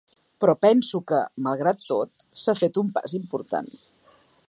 Però penso que, malgrat tot, s’ha fet un pas important.